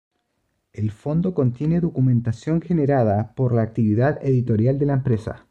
El fondo contiene documentación generada por la actividad editorial de la empresa.